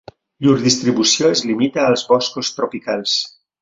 Llur distribució es limita als boscos tropicals.